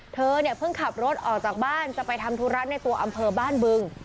เธอเนี่ยเพิ่งขับรถออกจากบ้านจะไปทำธุระในตัวอำเภอบ้านบึง